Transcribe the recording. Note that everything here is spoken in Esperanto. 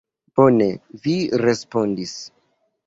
Bone vi respondis.